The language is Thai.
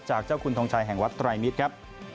จากเจ้าคุณทงชัยแห่งวัดไตรมิตรครับ